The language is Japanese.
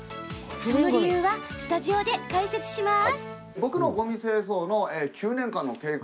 その理由はスタジオで解説します。